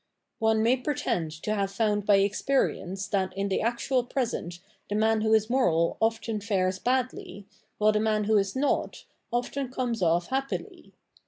One may pretend to have found by experience that in the actual present the man who is moral often fares badly, while the man who is not, often comes off happily.